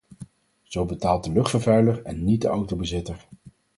Zo betaalt de luchtvervuiler en niet de autobezitter.